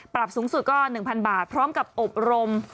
สูงสุดก็๑๐๐บาทพร้อมกับอบรม